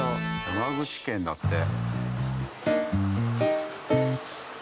山口県だって。